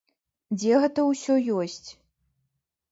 Дзе гэта ўсё ёсць?